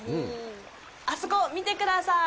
あそこ、見てください。